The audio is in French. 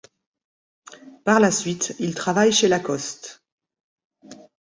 Par la suite, il travaille chez Lacoste.